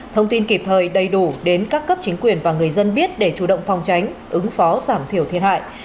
thông tin kịp thời đầy đủ đến các cấp chính quyền và người dân biết để chủ động phòng tránh ứng phó giảm thiểu thiệt hại